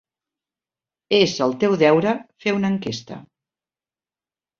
És el teu deure fer una enquesta.